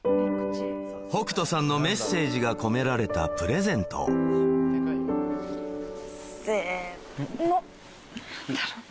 北斗さんのメッセージが込められたプレゼントせの何だろう。